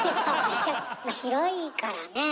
まあ広いからね。